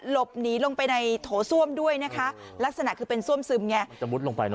หลบหนีลงไปในโถส้วมด้วยนะคะลักษณะคือเป็นซ่วมซึมไงจะมุดลงไปนะ